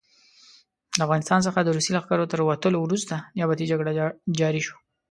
له افغانستان څخه د روسي لښکرو تر وتلو وروسته نیابتي جګړه جاري وه.